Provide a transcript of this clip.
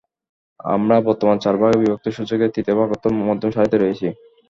আমরা বর্তমানে চার ভাগে বিভক্ত সূচকের তৃতীয় ভাগ অর্থাৎ মধ্যম সারিতে রয়েছি।